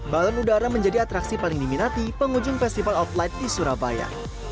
balon udara menjadi atraksi paling diminati pengunjung festival of light di surabaya